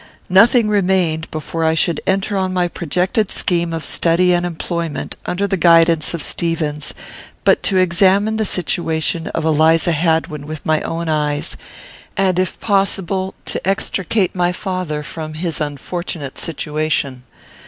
Nothing remained, before I should enter on my projected scheme of study and employment, under the guidance of Stevens, but to examine the situation of Eliza Hadwin with my own eyes, and, if possible, to extricate my father from his unfortunate situation.